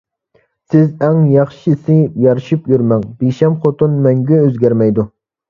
سىز ئەڭ ياخشىسى يارىشىپ يۈرمەڭ، بىشەم خوتۇن مەڭگۈ ئۆزگەرمەيدۇ.